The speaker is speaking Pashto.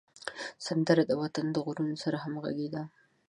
سندره د وطن د غرونو سره همږغي ده